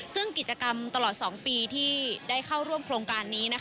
ซึ่งกิจกรรมตลอด๒ปีที่ได้เข้าร่วมโครงการนี้